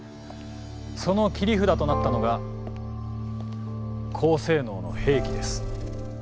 その切り札となったのが高性能の兵器です。